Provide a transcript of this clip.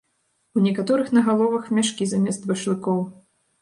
У некаторых на галовах мяшкі замест башлыкоў.